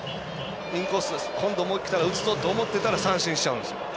インコース、今度きたら打つぞと思ってたら三振しちゃうんです。